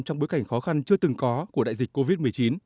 trong bối cảnh khó khăn chưa từng có của đại dịch covid một mươi chín